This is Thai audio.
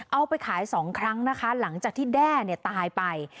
เอาไปขาย๒ครั้งนะคะหลังจากที่แด้ตายไป